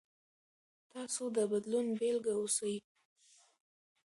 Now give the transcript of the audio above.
تاسو د بدلون بیلګه اوسئ.